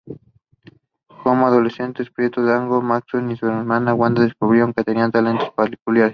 Como adolescentes, Pietro Django Maximoff y su hermana Wanda descubrieron que tenían talentos peculiares.